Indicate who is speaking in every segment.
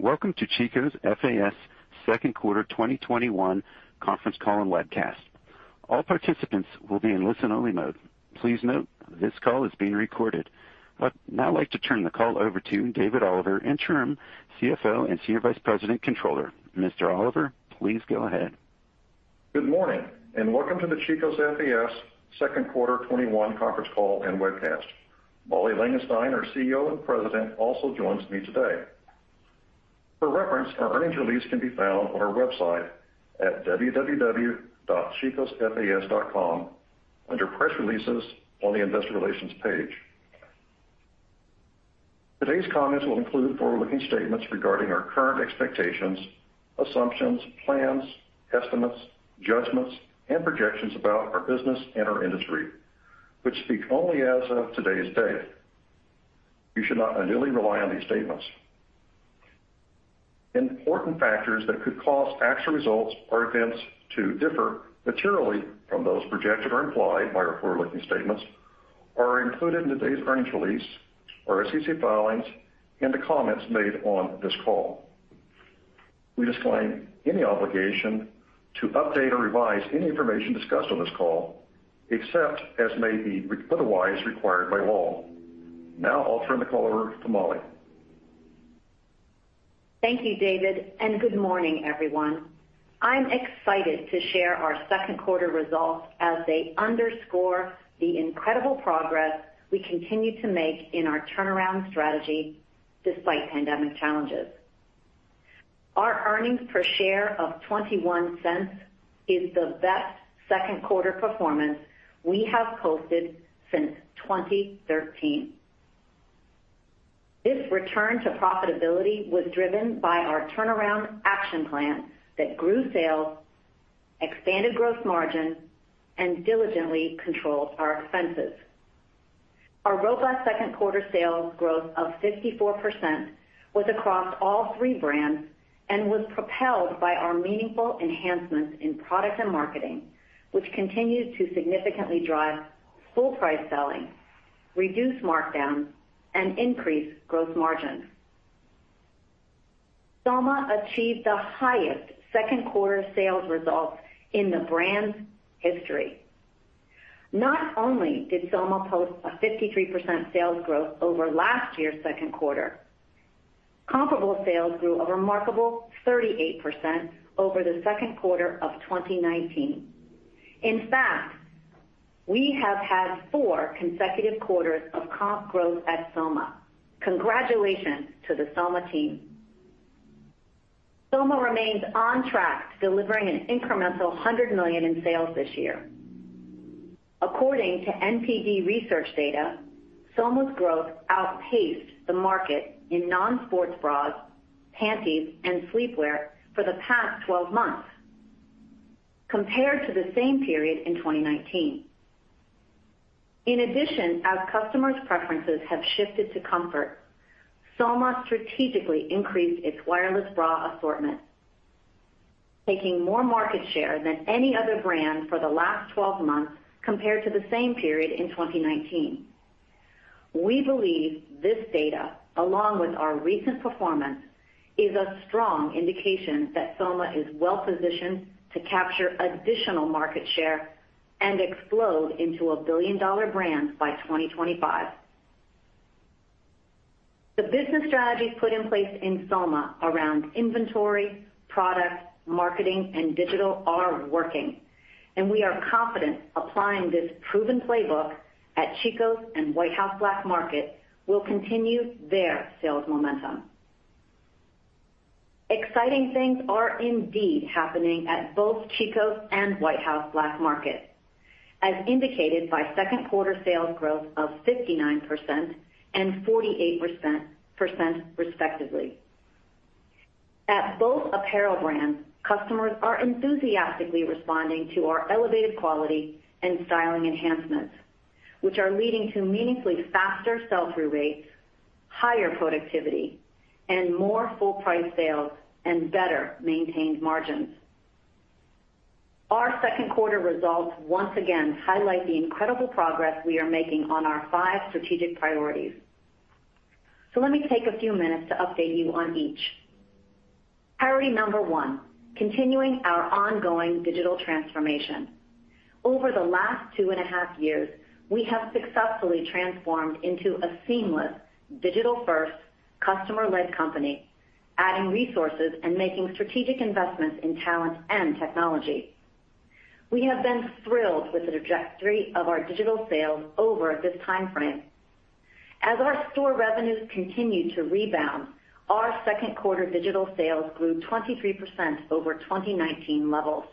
Speaker 1: Welcome to Chico's FAS second quarter 2021 conference call and webcast. All participants will be in listen only mode. Please note, this call is being recorded. I'd now like to turn the call over to David Oliver, Interim Chief Financial Officer and Senior Vice President, Controller. Mr. Oliver, please go ahead.
Speaker 2: Good morning, and welcome to the Chico's FAS second quarter 2021 conference call and webcast. Molly Langenstein, our CEO and President, also joins me today. For reference, our earnings release can be found on our website at www.chicosfas.com under Press Releases on the Investor Relations page. Today's comments will include forward-looking statements regarding our current expectations, assumptions, plans, estimates, judgments, and projections about our business and our industry, which speak only as of today's date. You should not unduly rely on these statements. Important factors that could cause actual results or events to differ materially from those projected or implied by our forward-looking statements are included in today's earnings release, our SEC filings, and the comments made on this call. We disclaim any obligation to update or revise any information discussed on this call, except as may be otherwise required by law. Now I'll turn the call over to Molly.
Speaker 3: Thank you, David, and good morning, everyone. I'm excited to share our second quarter results as they underscore the incredible progress we continue to make in our turnaround strategy despite pandemic challenges. Our earnings per share of $0.21 is the best second quarter performance we have posted since 2013. This return to profitability was driven by our turnaround action plan that grew sales, expanded gross margin, and diligently controlled our expenses. Our robust second quarter sales growth of 54% was across all three brands and was propelled by our meaningful enhancements in product and marketing, which continued to significantly drive full price selling, reduce markdowns, and increase gross margins. Soma achieved the highest second quarter sales results in the brand's history. Not only did Soma post a 53% sales growth over last year's second quarter, comparable sales grew a remarkable 38% over the second quarter of 2019. In fact, we have had four consecutive quarters of comp growth at Soma. Congratulations to the Soma team. Soma remains on track to delivering an incremental $100 million in sales this year. According to NPD Research data, Soma's growth outpaced the market in non-sports bras, panties, and sleepwear for the past 12 months compared to the same period in 2019. In addition, as customers' preferences have shifted to comfort, Soma strategically increased its wireless bra assortment, taking more market share than any other brand for the last 12 months compared to the same period in 2019. We believe this data, along with our recent performance, is a strong indication that Soma is well positioned to capture additional market share and explode into a billion-dollar brand by 2025. The business strategies put in place in Soma around inventory, product, marketing, and digital are working, and we are confident applying this proven playbook at Chico's and White House Black Market will continue their sales momentum. Exciting things are indeed happening at both Chico's and White House Black Market, as indicated by second quarter sales growth of 59% and 48%, respectively. At both apparel brands, customers are enthusiastically responding to our elevated quality and styling enhancements, which are leading to meaningfully faster sell-through rates, higher productivity, and more full price sales and better maintained margins. Our second quarter results once again highlight the incredible progress we are making on our five strategic priorities. Let me take a few minutes to update you on each. Priority number one, continuing our ongoing digital transformation. Over the last two and a half years, we have successfully transformed into a seamless digital-first, customer-led company, adding resources and making strategic investments in talent and technology. We have been thrilled with the trajectory of our digital sales over this timeframe. As our store revenues continue to rebound, our second quarter digital sales grew 23% over 2019 levels.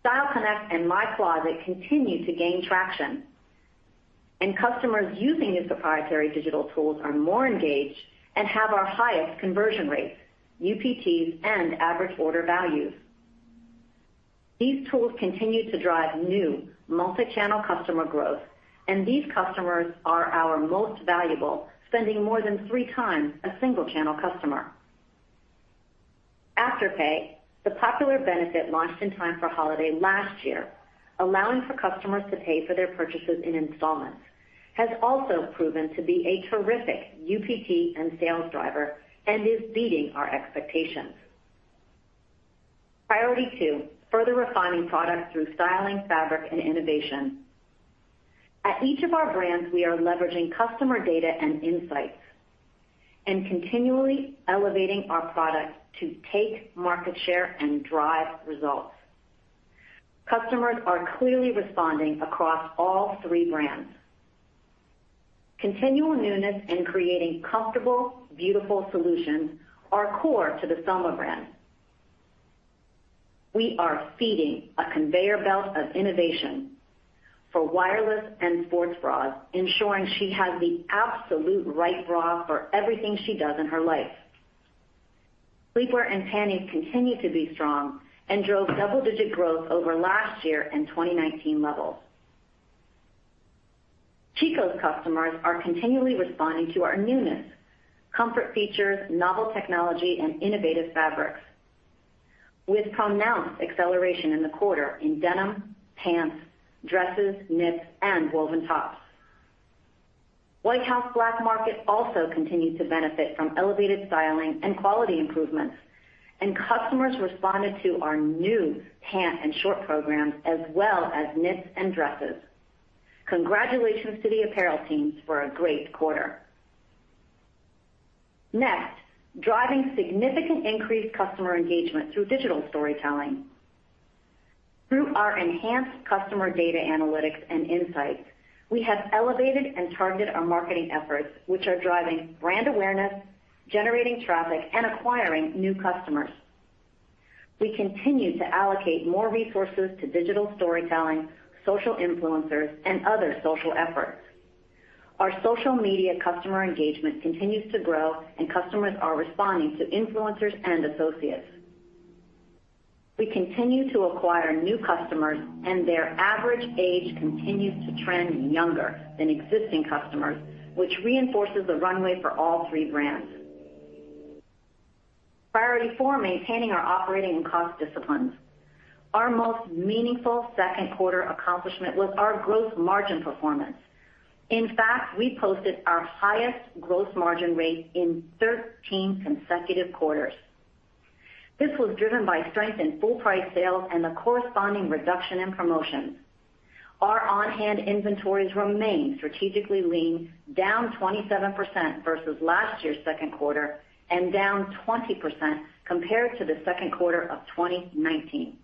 Speaker 3: Style Connect and My Closet continue to gain traction, and customers using these proprietary digital tools are more engaged and have our highest conversion rates, UPTs, and average order values. These tools continue to drive new multi-channel customer growth, and these customers are our most valuable, spending more than 3x a single-channel customer. Afterpay, the popular benefit launched in time for holiday last year, allowing for customers to pay for their purchases in installments, has also proven to be a terrific UPT and sales driver and is beating our expectations. Priority two, further refining product through styling, fabric, and innovation. At each of our brands, we are leveraging customer data and insights and continually elevating our product to take market share and drive results. Customers are clearly responding across all three brands. Continual newness in creating comfortable, beautiful solutions are core to the Soma brand. We are feeding a conveyor belt of innovation for wireless and sports bras, ensuring she has the absolute right bra for everything she does in her life. Sleepwear and panties continue to be strong and drove double-digit growth over last year and 2019 levels. Chico's customers are continually responding to our newness, comfort features, novel technology, and innovative fabrics, with pronounced acceleration in the quarter in denim, pants, dresses, knits, and woven tops. White House Black Market also continued to benefit from elevated styling and quality improvements. Customers responded to our new pant and short programs as well as knits and dresses. Congratulations to the apparel teams for a great quarter. Next, driving significant increased customer engagement through digital storytelling. Through our enhanced customer data analytics and insights, we have elevated and targeted our marketing efforts, which are driving brand awareness, generating traffic, and acquiring new customers. We continue to allocate more resources to digital storytelling, social influencers, and other social efforts. Our social media customer engagement continues to grow and customers are responding to influencers and associates. We continue to acquire new customers and their average age continues to trend younger than existing customers, which reinforces the runway for all three brands. Priority four, maintaining our operating and cost disciplines. Our most meaningful second quarter accomplishment was our gross margin performance. In fact, we posted our highest gross margin rate in 13 consecutive quarters. This was driven by strength in full price sales and the corresponding reduction in promotions. Our on-hand inventories remain strategically lean, down 27% versus last year's second quarter, and down 20% compared to the second quarter of 2019.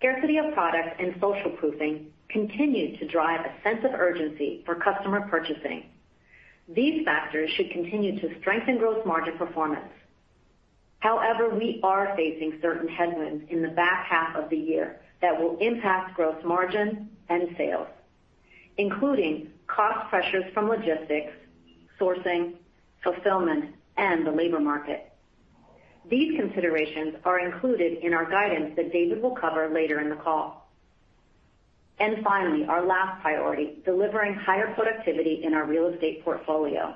Speaker 3: Scarcity of product and social proofing continued to drive a sense of urgency for customer purchasing. These factors should continue to strengthen gross margin performance. However, we are facing certain headwinds in the back half of the year that will impact gross margin and sales, including cost pressures from logistics, sourcing, fulfillment, and the labor market. These considerations are included in our guidance that David will cover later in the call. Finally, our last priority, delivering higher productivity in our real estate portfolio.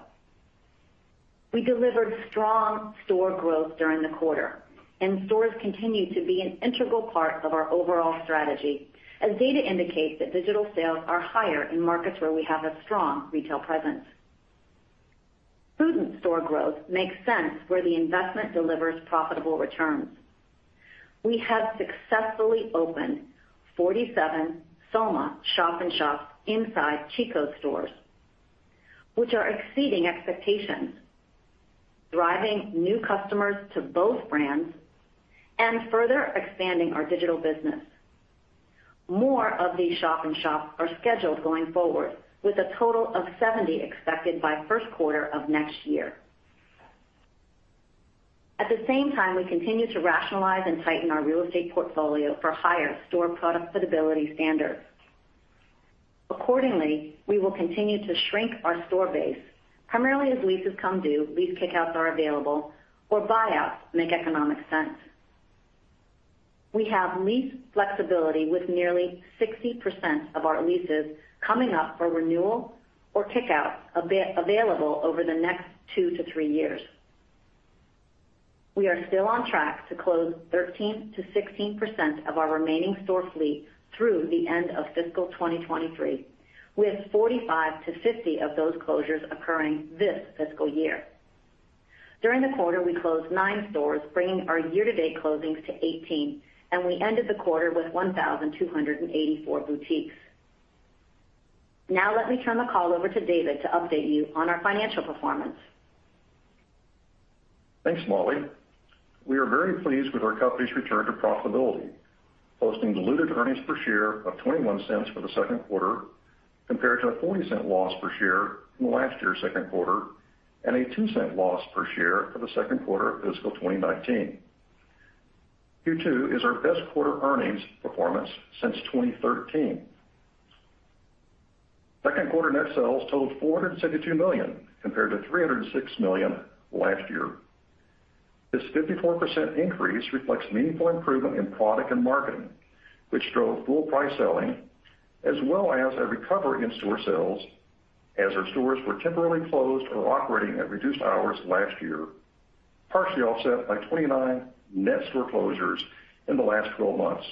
Speaker 3: We delivered strong store growth during the quarter, and stores continue to be an integral part of our overall strategy, as data indicates that digital sales are higher in markets where we have a strong retail presence. Prudent store growth makes sense where the investment delivers profitable returns. We have successfully opened 47 Soma shop in shops inside Chico's stores, which are exceeding expectations, driving new customers to both brands, and further expanding our digital business. More of these shop in shops are scheduled going forward, with a total of 70 expected by first quarter of next year. At the same time, we continue to rationalize and tighten our real estate portfolio for higher store profitability standards. Accordingly, we will continue to shrink our store base, primarily as leases come due, lease kick-outs are available, or buyouts make economic sense. We have lease flexibility with nearly 60% of our leases coming up for renewal or kick-out available over the next two to three years. We are still on track to close 13%-16% of our remaining store fleet through the end of fiscal 2023, with 45 to 50 of those closures occurring this fiscal year. During the quarter, we closed nine stores, bringing our year-to-date closings to 18, and we ended the quarter with 1,284 boutiques. Now, let me turn the call over to David to update you on our financial performance.
Speaker 2: Thanks, Molly. We are very pleased with our company's return to profitability, posting diluted earnings per share of $0.21 for the second quarter, compared to a $0.40 loss per share from last year's second quarter, and a $0.02 loss per share for the second quarter of fiscal 2019. Q2 is our best quarter earnings performance since 2013. Second quarter net sales totaled $472 million, compared to $306 million last year. This 54% increase reflects meaningful improvement in product and marketing, which drove full price selling, as well as a recovery in store sales. As our stores were temporarily closed or operating at reduced hours last year, partially offset by 29 net store closures in the last 12 months.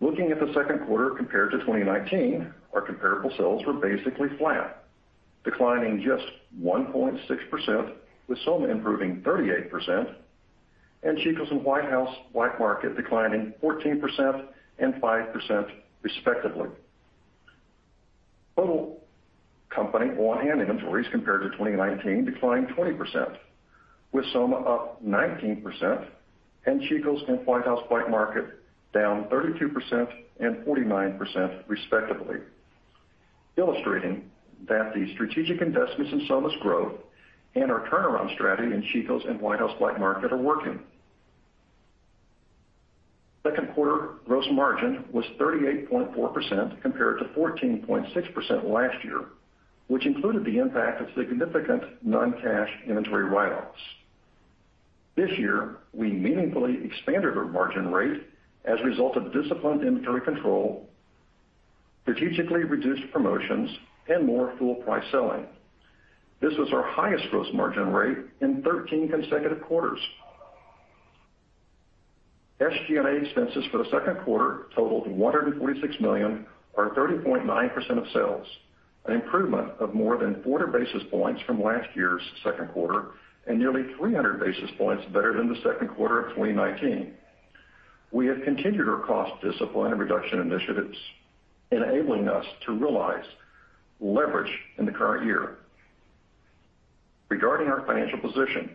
Speaker 2: Looking at the second quarter compared to 2019, our comparable sales were basically flat, declining just 1.6%, with Soma improving 38%, and Chico's and White House Black Market declining 14% and 5%, respectively. Total company on-hand inventories compared to 2019 declined 20%, with Soma up 19% and Chico's and White House Black Market down 32% and 49%, respectively, illustrating that the strategic investments in Soma's growth and our turnaround strategy in Chico's and White House Black Market are working. Second quarter gross margin was 38.4% compared to 14.6% last year, which included the impact of significant non-cash inventory write-offs. This year, we meaningfully expanded our margin rate as a result of disciplined inventory control, strategically reduced promotions, and more full price selling. This was our highest gross margin rate in 13 consecutive quarters. SG&A expenses for the second quarter totaled $146 million, or 30.9% of sales, an improvement of more than 400 basis points from last year's second quarter, and nearly 300 basis points better than the second quarter of 2019. We have continued our cost discipline and reduction initiatives, enabling us to realize leverage in the current year. Regarding our financial position,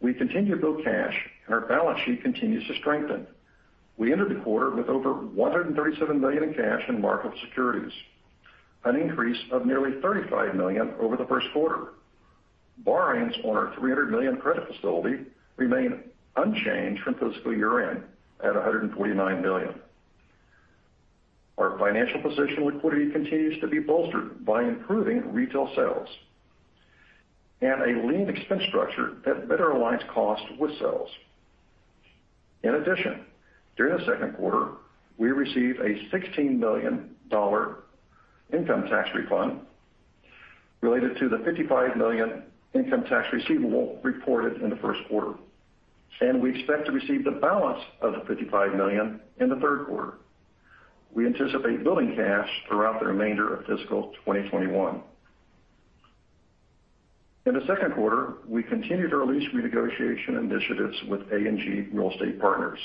Speaker 2: we continue to build cash and our balance sheet continues to strengthen. We entered the quarter with over $137 million in cash and marketable securities, an increase of nearly $35 million over the first quarter. Borrowings on our $300 million credit facility remain unchanged from fiscal year-end at $149 million. Our financial position liquidity continues to be bolstered by improving retail sales and a lean expense structure that better aligns cost with sales. During the second quarter, we received a $16 million income tax refund related to the $55 million income tax receivable reported in the first quarter, and we expect to receive the balance of the $55 million in the third quarter. We anticipate building cash throughout the remainder of fiscal 2021. In the second quarter, we continued our lease renegotiation initiatives with A&G Real Estate Partners,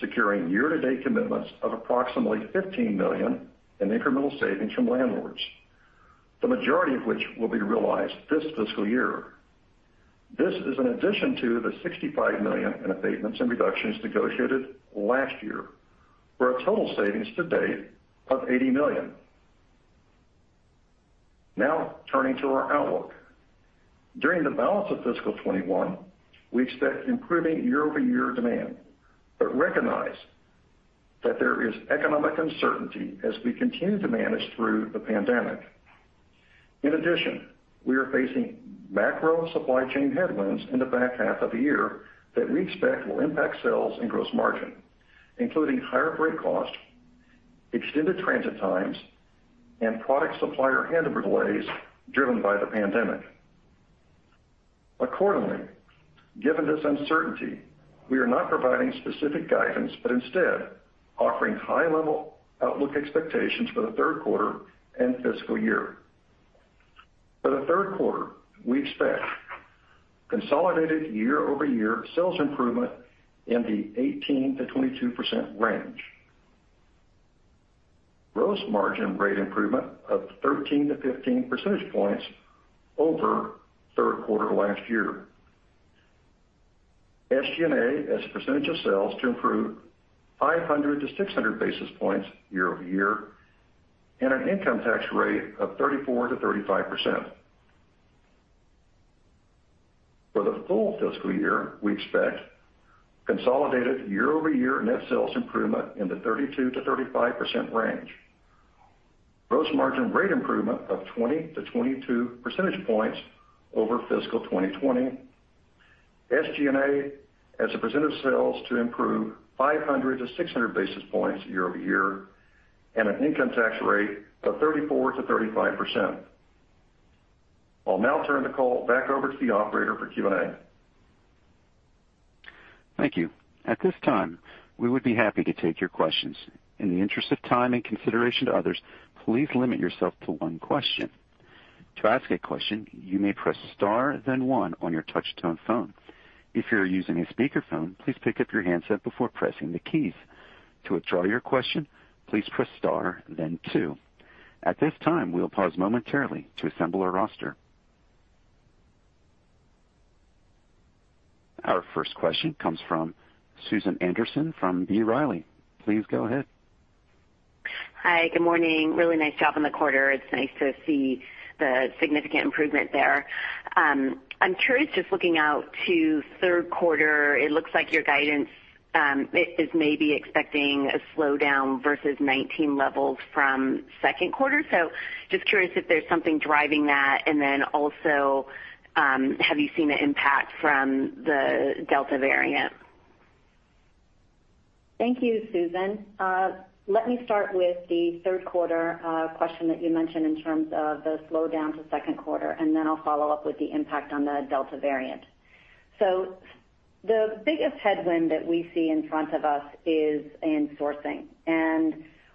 Speaker 2: securing year-to-date commitments of approximately $15 million in incremental savings from landlords, the majority of which will be realized this fiscal year. This is in addition to the $65 million in abatements and reductions negotiated last year, for a total savings to date of $80 million. Turning to our outlook. During the balance of fiscal 2021, we expect improving year-over-year demand but recognize that there is economic uncertainty as we continue to manage through the pandemic. In addition, we are facing macro supply chain headwinds in the back half of the year that we expect will impact sales and gross margin, including higher freight cost, extended transit times, and product supplier handover delays driven by the pandemic. Accordingly, given this uncertainty, we are not providing specific guidance, but instead offering high-level outlook expectations for the third quarter and fiscal year. For the third quarter, we expect consolidated year-over-year sales improvement in the 18%-22% range. Gross margin rate improvement of 13 to 15 percentage points over third quarter last year. SG&A as a percentage of sales to improve 500 to 600 basis points year-over-year, and an income tax rate of 34%-35%. For the full fiscal year, we expect consolidated year-over-year net sales improvement in the 32%-35% range. Gross margin rate improvement of 20 to 22 percentage points over fiscal 2020. SG&A as a percentage of sales to improve 500-600 basis points year-over-year, and an income tax rate of 34%-35%. I'll now turn the call back over to the operator for Q&A.
Speaker 1: Thank you. At this time, we would be happy to take your questions. In the interest of time and consideration to others, please limit yourself to one question. To ask a question, you may press star then one on your touch tone phone. If you are using a speakerphone, please pick up your handset before pressing the keys. To withdraw your question, please press star then two. At this time, we'll pause momentarily to assemble our roster. Our first question comes from Susan Anderson from B. Riley. Please go ahead.
Speaker 4: Hi, good morning. Really nice job on the quarter. It's nice to see the significant improvement there. I'm curious, just looking out to third quarter, it looks like your guidance is maybe expecting a slowdown versus 2019 levels from second quarter. Just curious if there's something driving that, and then also have you seen an impact from the Delta variant?
Speaker 3: Thank you, Susan. Let me start with the third quarter question that you mentioned in terms of the slowdown to second quarter, and then I'll follow up with the impact on the Delta variant. The biggest headwind that we see in front of us is in sourcing.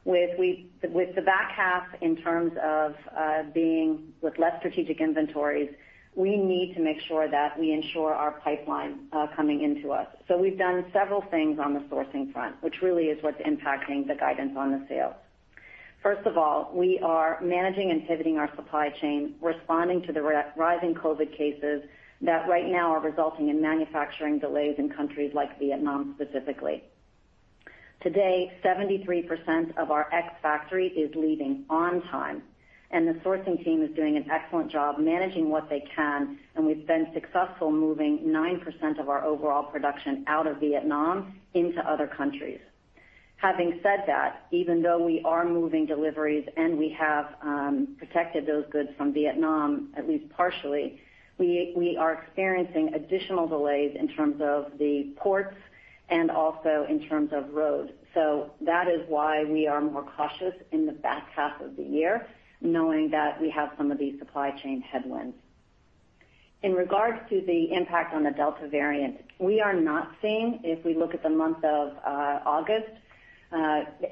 Speaker 3: With the back half, in terms of being with less strategic inventories, we need to make sure that we ensure our pipeline coming into us. We've done several things on the sourcing front, which really is what's impacting the guidance on the sales. First of all, we are managing and pivoting our supply chain, responding to the rising COVID cases that right now are resulting in manufacturing delays in countries like Vietnam, specifically. Today, 73% of our ex-factory is leaving on time, and the sourcing team is doing an excellent job managing what they can, and we've been successful moving 9% of our overall production out of Vietnam into other countries. Having said that, even though we are moving deliveries and we have protected those goods from Vietnam, at least partially, we are experiencing additional delays in terms of the ports and also in terms of road. That is why we are more cautious in the back half of the year, knowing that we have some of these supply chain headwinds. In regards to the impact on the Delta variant, we are not seeing, if we look at the month of August,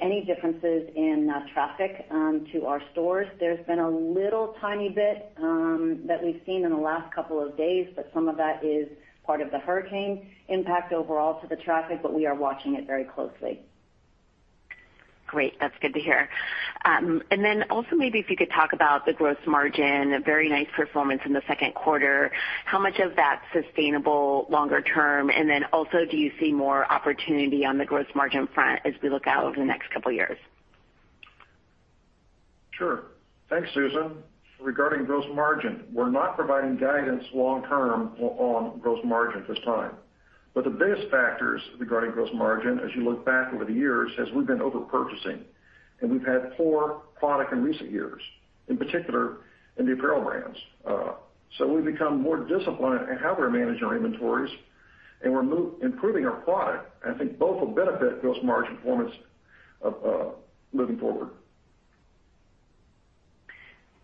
Speaker 3: any differences in traffic to our stores. There's been a little tiny bit that we've seen in the last couple of days. Some of that is part of the hurricane impact overall to the traffic. We are watching it very closely.
Speaker 4: Great. That's good to hear. Also, maybe if you could talk about the gross margin, a very nice performance in the second quarter. How much of that is sustainable longer term? Also, do you see more opportunity on the gross margin front as we look out over the next couple of years?
Speaker 2: Sure. Thanks, Susan. Regarding gross margin, we're not providing guidance long term on gross margin at this time. The biggest factors regarding gross margin, as you look back over the years, is we've been over purchasing, and we've had poor product in recent years, in particular in the apparel brands. We've become more disciplined in how we're managing our inventories, and we're improving our product. I think both will benefit gross margin performance moving forward.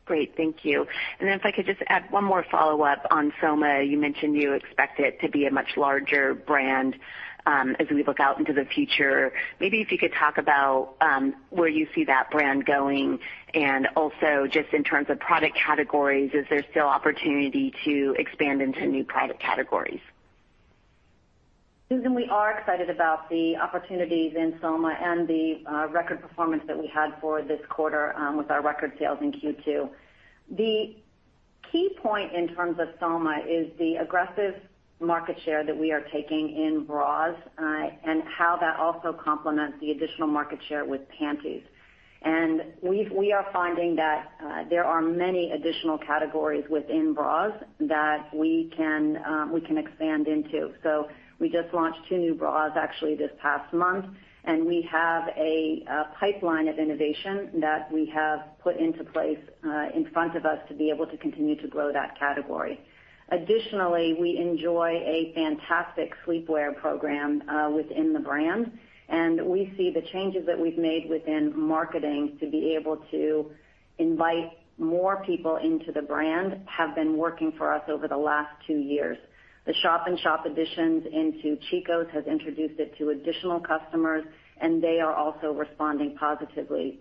Speaker 4: Great. Thank you. Then if I could just add one more follow-up on Soma. You mentioned you expect it to be a much larger brand as we look out into the future. Maybe if you could talk about where you see that brand going, and also just in terms of product categories, is there still opportunity to expand into new product categories?
Speaker 3: Susan, we are excited about the opportunities in Soma and the record performance that we had for this quarter with our record sales in Q2. The key point in terms of Soma is the aggressive market share that we are taking in bras and how that also complements the additional market share with panties. We are finding that there are many additional categories within bras that we can expand into. We just launched two new bras actually this past month, and we have a pipeline of innovation that we have put into place in front of us to be able to continue to grow that category. Additionally, we enjoy a fantastic sleepwear program within the brand, and we see the changes that we've made within marketing to be able to invite more people into the brand have been working for us over the last two years. The shop in shop additions into Chico's has introduced it to additional customers, and they are also responding positively.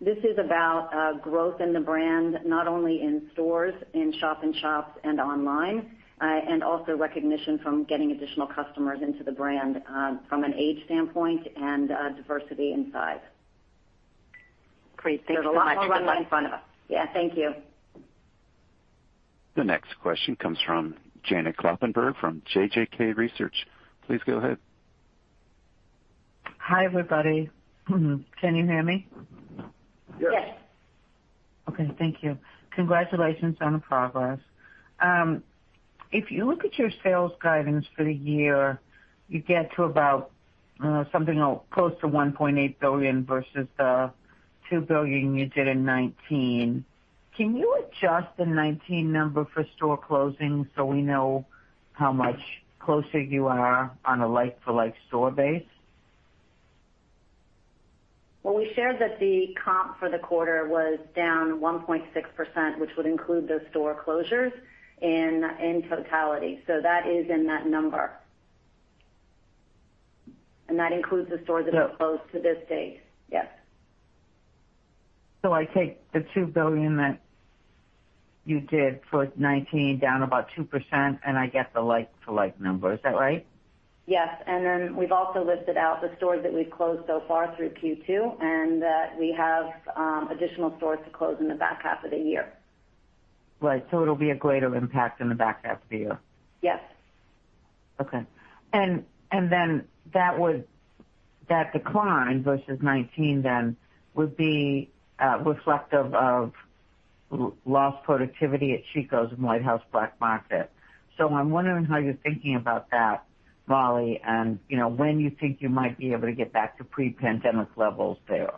Speaker 3: This is about growth in the brand, not only in stores, in shop in shops and online, and also recognition from getting additional customers into the brand from an age standpoint and diversity and size.
Speaker 4: Great. Thanks a lot.
Speaker 3: There's a lot more runway in front of us. Yeah. Thank you.
Speaker 1: The next question comes from Janet Kloppenburg from JJK Research. Please go ahead.
Speaker 5: Hi, everybody. Can you hear me?
Speaker 2: Yes.
Speaker 3: Yes.
Speaker 5: Okay. Thank you. Congratulations on the progress. If you look at your sales guidance for the year, you get to about something close to $1.8 billion versus the $2 billion you did in 2019. Can you adjust the 2019 number for store closings so we know how much closer you are on a like-to-like store base?
Speaker 3: Well, we shared that the comp for the quarter was down 1.6%, which would include the store closures in totality. That is in that number. That includes the stores that have closed to this date. Yes.
Speaker 5: I take the $2 billion that you did for 2019 down about 2%, and I get the like-to-like number. Is that right?
Speaker 3: Yes. We've also listed out the stores that we've closed so far through Q2, and we have additional stores to close in the back half of the year.
Speaker 5: Right. It'll be a greater impact in the back half of the year.
Speaker 3: Yes.
Speaker 5: Okay. That decline versus 2019 then would be reflective of lost productivity at Chico's and White House Black Market. I'm wondering how you're thinking about that, Molly, and when you think you might be able to get back to pre-pandemic levels there.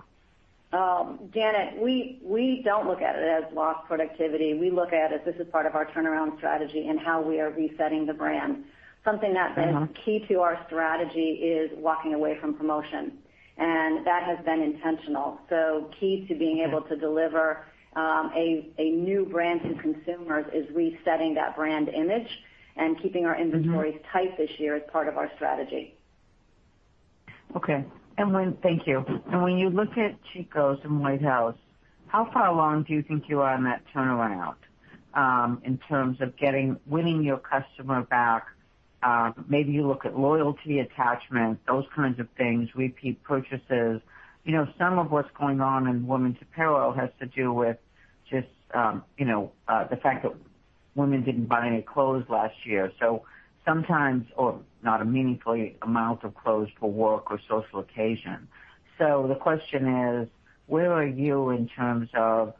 Speaker 3: Janet, we don't look at it as lost productivity. We look at it as this is part of our turnaround strategy and how we are resetting the brand. Something that's been key to our strategy is walking away from promotion. That has been intentional. Key to being able to deliver a new brand to consumers is resetting that brand image and keeping our inventories tight this year as part of our strategy.
Speaker 5: Okay. Thank you. When you look at Chico's and White House, how far along do you think you are on that turnaround in terms of winning your customer back? Maybe you look at loyalty attachment, those kinds of things, repeat purchases. Some of what's going on in women's apparel has to do with just the fact that women didn't buy any clothes last year. Sometimes or not a meaningful amount of clothes for work or social occasion. The question is, where are you in terms of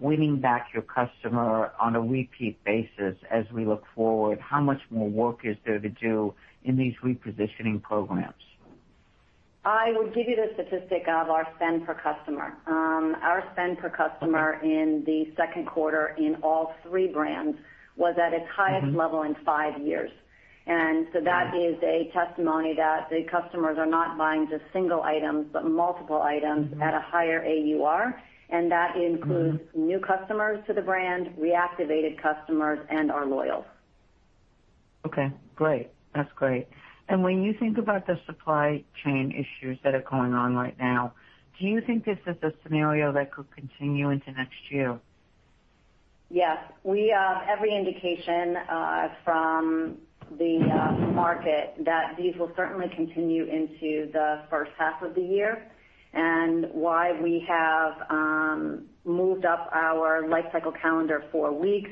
Speaker 5: winning back your customer on a repeat basis as we look forward? How much more work is there to do in these repositioning programs?
Speaker 3: I will give you the statistic of our spend per customer. Our spend per customer in the second quarter in all three brands was at its highest level in five years. That is a testimony that the customers are not buying just one items, but multiple items at a higher AUR, and that includes new customers to the brand, reactivated customers, and our loyals.
Speaker 5: Okay, great. That's great. When you think about the supply chain issues that are going on right now, do you think this is a scenario that could continue into next year?
Speaker 3: Yes. We have every indication from the market that these will certainly continue into the first half of the year and why we have moved up our life cycle calendar four weeks.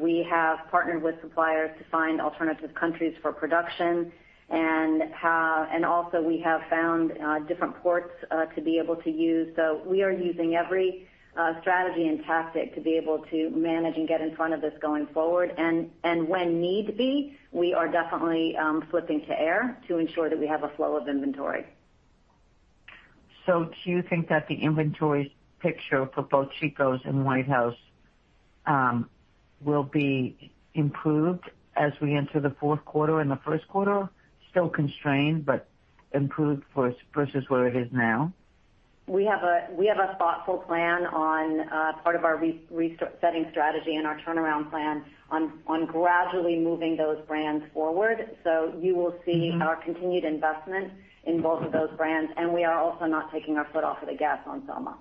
Speaker 3: We have partnered with suppliers to find alternative countries for production and also we have found different ports to be able to use. We are using every strategy and tactic to be able to manage and get in front of this going forward. When need be, we are definitely flipping to air to ensure that we have a flow of inventory.
Speaker 5: Do you think that the inventory picture for both Chico's and White House will be improved as we enter the fourth quarter and the first quarter? Still constrained, but improved versus where it is now.
Speaker 3: We have a thoughtful plan on part of our resetting strategy and our turnaround plan on gradually moving those brands forward. You will see our continued investment in both of those brands, and we are also not taking our foot off of the gas on Soma.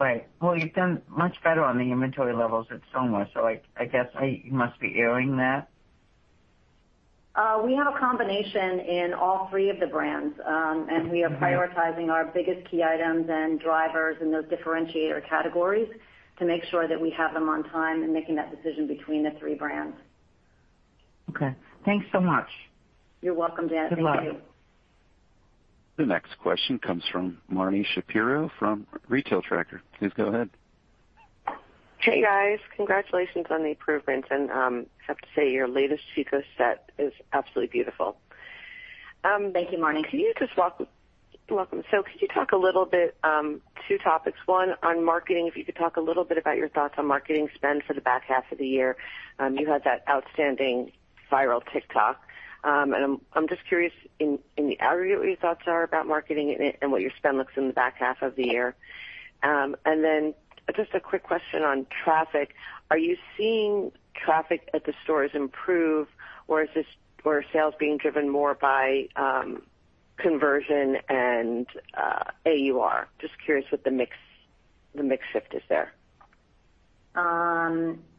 Speaker 5: Right. Well, you've done much better on the inventory levels at Soma, so I guess you must be eying that.
Speaker 3: We have a combination in all three of the brands, and we are prioritizing our biggest key items and drivers in those differentiator categories to make sure that we have them on time and making that decision between the three brands.
Speaker 5: Okay. Thanks so much.
Speaker 3: You're welcome, Janet. Thank you.
Speaker 5: Good luck.
Speaker 1: The next question comes from Marni Shapiro from Retail Tracker. Please go ahead.
Speaker 6: Hey, guys. Congratulations on the improvements. I have to say, your latest Chico's set is absolutely beautiful.
Speaker 3: Thank you, Marni.
Speaker 6: Could you talk a little bit, two topics, one on marketing, if you could talk a little bit about your thoughts on marketing spend for the back half of the year. You had that outstanding viral TikTok, and I'm just curious in the aggregate what your thoughts are about marketing and what your spend looks in the back half of the year. Then just a quick question on traffic. Are you seeing traffic at the stores improve or sales being driven more by conversion and AUR? Just curious what the mix shift is there.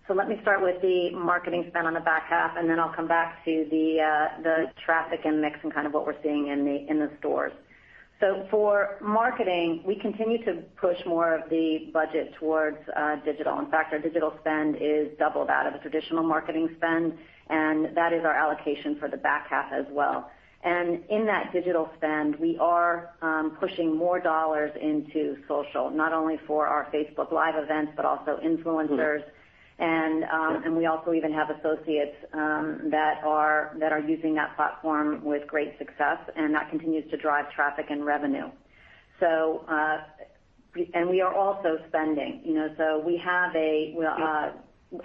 Speaker 3: Let me start with the marketing spend on the back half, and then I'll come back to the traffic and mix and kind of what we're seeing in the stores. For marketing, we continue to push more of the budget towards digital. In fact, our digital spend is double that of a traditional marketing spend, and that is our allocation for the back half as well. In that digital spend, we are pushing more dollars into social, not only for our Facebook Live events, but also influencers. We also even have associates that are using that platform with great success, and that continues to drive traffic and revenue. We are also spending, so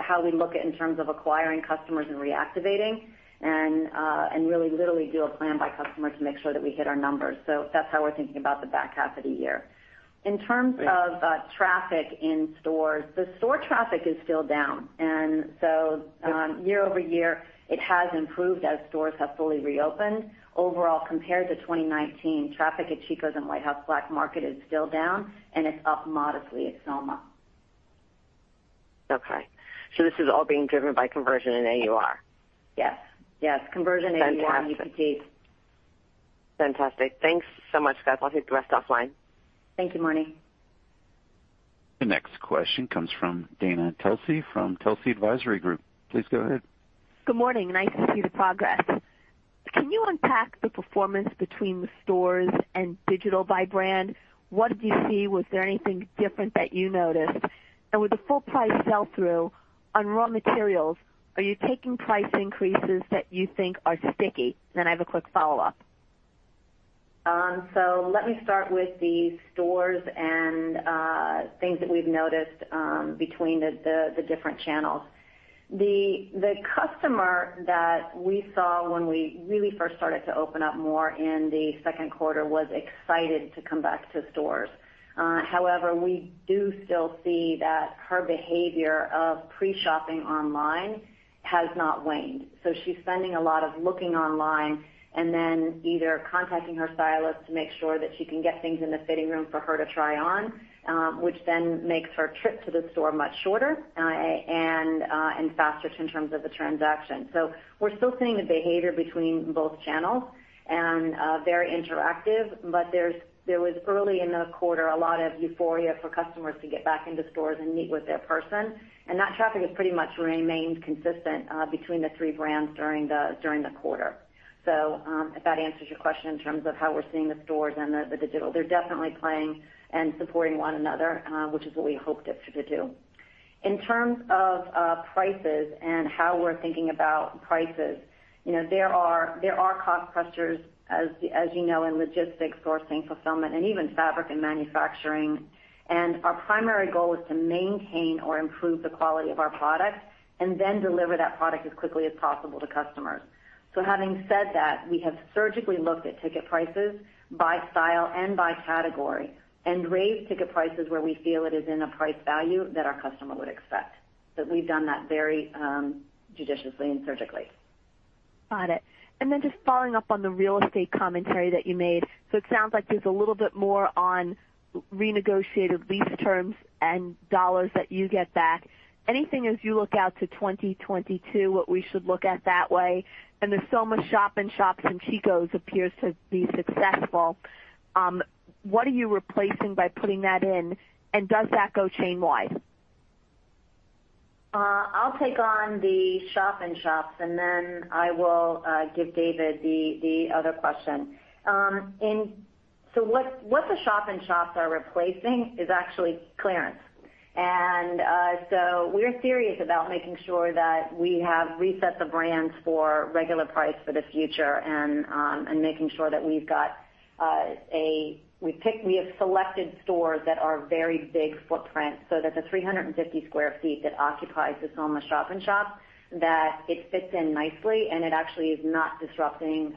Speaker 3: how we look at in terms of acquiring customers and reactivating and really literally do a plan by customer to make sure that we hit our numbers. That's how we're thinking about the back half of the year. In terms of traffic in stores, the store traffic is still down. Year over year, it has improved as stores have fully reopened. Overall, compared to 2019, traffic at Chico's and White House Black Market is still down and it's up modestly at Soma.
Speaker 6: Okay. This is all being driven by conversion and AUR.
Speaker 3: Yes. Conversion, AUR, UPT.
Speaker 6: Fantastic. Thanks so much, guys. I'll take the rest offline.
Speaker 3: Thank you, Marni.
Speaker 1: The next question comes from Dana Telsey from Telsey Advisory Group. Please go ahead.
Speaker 7: Good morning. Nice to see the progress. Can you unpack the performance between the stores and digital by brand? What did you see? Was there anything different that you noticed? With the full price sell through on raw materials, are you taking price increases that you think are sticky? I have a quick follow-up.
Speaker 3: Let me start with the stores and things that we've noticed between the different channels. The customer that we saw when we really first started to open up more in the second quarter was excited to come back to stores. However, we do still see that her behavior of pre-shopping online has not waned. She's spending a lot of looking online and then either contacting her stylist to make sure that she can get things in the fitting room for her to try on, which then makes her trip to the store much shorter and faster in terms of the transaction. We're still seeing the behavior between both channels, and very interactive. There was early in the quarter, a lot of euphoria for customers to get back into stores and meet with their person, and that traffic has pretty much remained consistent between the three brands during the quarter. If that answers your question in terms of how we're seeing the stores and the digital, they're definitely playing and supporting one another, which is what we hoped it to do. In terms of prices and how we're thinking about prices, there are cost pressures, as you know, in logistics, sourcing, fulfillment, and even fabric and manufacturing. Our primary goal is to maintain or improve the quality of our product and then deliver that product as quickly as possible to customers. Having said that, we have surgically looked at ticket prices by style and by category, and raised ticket prices where we feel it is in a price value that our customer would expect. We've done that very judiciously and surgically.
Speaker 7: Got it. Just following up on the real estate commentary that you made. It sounds like there's a little bit more on renegotiated lease terms and dollars that you get back. Anything as you look out to 2022, what we should look at that way? The Soma shop-in-shops in Chico's appears to be successful. What are you replacing by putting that in, and does that go chain wide?
Speaker 3: I'll take on the shop-in-shops, then I will give David the other question. What the shop-in-shops are replacing is actually clearance. We're serious about making sure that we have reset the brands for regular price for the future and making sure that we have selected stores that are very big footprint. There's a 350 sq ft that occupies the Soma shop-in-shop that it fits in nicely, and it actually is not disrupting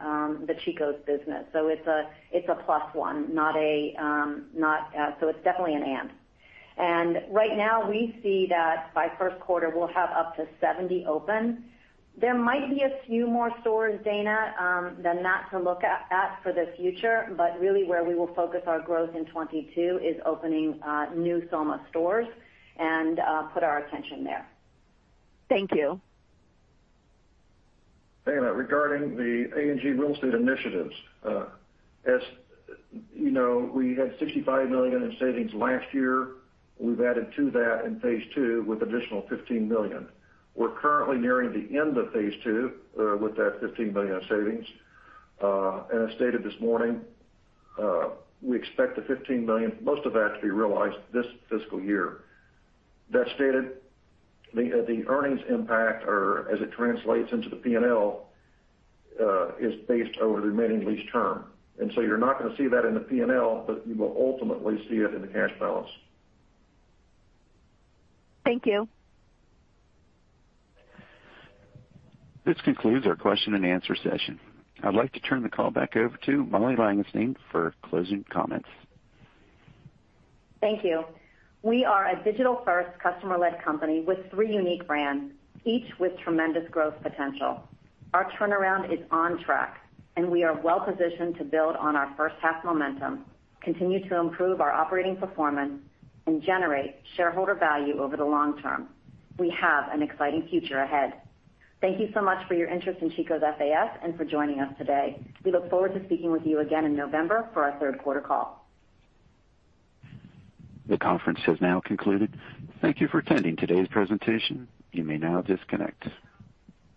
Speaker 3: the Chico's business. It's a plus one, it's definitely an and. Right now we see that by first quarter we'll have up to 70 open. There might be a few more stores, Dana, than that to look at for the future, really where we will focus our growth in 2022 is opening new Soma stores and put our attention there.
Speaker 7: Thank you.
Speaker 2: Dana, regarding the A&G real estate initiatives. As you know, we had $65 million in savings last year. We've added to that in phase II with additional $15 million. We're currently nearing the end of phase II with that $15 million of savings. As stated this morning, we expect the $15 million, most of that to be realized this fiscal year. That stated, the earnings impact or as it translates into the P&L is based over the remaining lease term. You're not going to see that in the P&L, but you will ultimately see it in the cash balance.
Speaker 7: Thank you.
Speaker 1: This concludes our question and answer session. I'd like to turn the call back over to Molly Langenstein for closing comments.
Speaker 3: Thank you. We are a digital-first customer led company with three unique brands, each with tremendous growth potential. Our turnaround is on track, and we are well positioned to build on our first half momentum, continue to improve our operating performance, and generate shareholder value over the long term. We have an exciting future ahead. Thank you so much for your interest in Chico's FAS and for joining us today. We look forward to speaking with you again in November for our third quarter call.
Speaker 1: The conference has now concluded. Thank you for attending today's presentation. You may now disconnect.